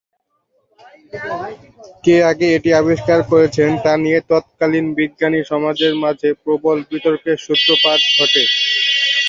কে আগে এটি আবিষ্কার করেছেন তা নিয়ে তৎকালীন বিজ্ঞানী সমাজের মাঝে প্রবল বিতর্কের সূত্রপাত ঘটে।